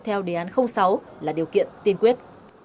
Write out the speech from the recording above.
theo đề án sáu là điều kiện tiên quyết